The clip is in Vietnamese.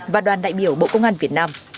và đoàn đại biểu bộ công an việt nam